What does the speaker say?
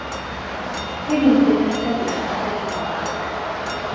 Inimt-d anta deg-sent ay tebɣamt.